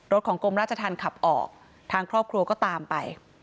ของกรมราชธรรมขับออกทางครอบครัวก็ตามไป